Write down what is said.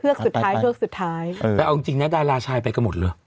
เอาจริงน่าได้ลาชายไปก็หมดเลย